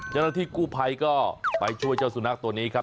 เจ้าหน้าที่กู้ภัยก็ไปช่วยเจ้าสุนัขตัวนี้ครับ